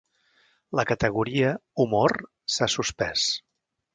La categoria Humor s'ha suspès.